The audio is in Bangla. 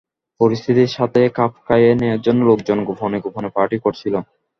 পরিস্থিতির সাথে খাপ খাইয়ে নেয়ার জন্য, লোকজন গোপনে গোপনে পার্টি করছিল।